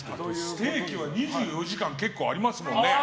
ステーキは２４時間結構ありますもんね。